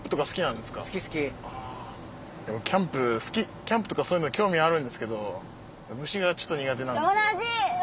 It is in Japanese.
でもキャンプ好きキャンプとかそういうの興味あるんですけど虫がちょっと苦手なんですよ。